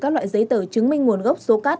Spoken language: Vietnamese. các loại giấy tờ chứng minh nguồn gốc số cát